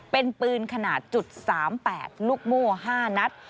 เป็นปืนขนาด๓๘ลูกโม่๕นัด